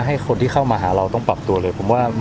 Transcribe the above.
ให้คนที่เข้ามาหาเราต้องปรับตัวเลยผมว่า